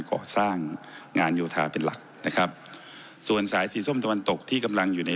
ก่อสร้างงานโยธาเป็นหลักนะครับส่วนสายสีส้มตะวันตกที่กำลังอยู่ใน